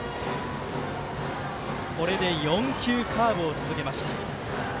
これで４球カーブを続けました。